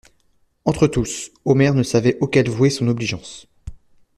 Entre eux tous, Omer ne savait auquel vouer son obligeance.